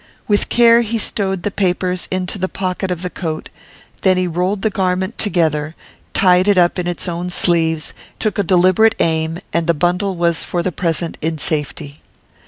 With care he stowed the papers into the pockets of the coat; then he rolled the garment together, tied it up in its own sleeves, took a deliberate aim and the bundle was for the present in safety.